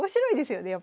やっぱり。